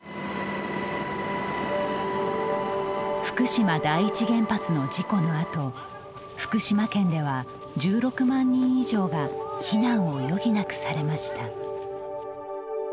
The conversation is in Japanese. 福島第一原発の事故のあと福島県では１６万人以上が避難を余儀なくされました。